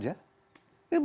ini emang dari dulu